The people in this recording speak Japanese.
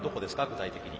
具体的に。